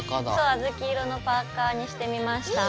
あずき色のパーカーにしてみました。